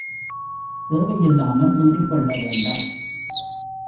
தேவை இல்லாமல் முந்திக்கொள்ள வேண்டா.